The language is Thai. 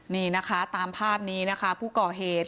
นี่นะคะตามภาพนี้นะคะผู้ก่อเหตุ